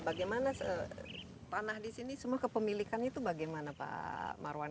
bagaimana tanah di sini semua kepemilikannya itu bagaimana pak marwan